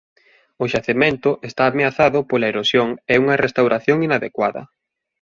O xacemento está ameazado pola erosión e unha restauración inadecuada.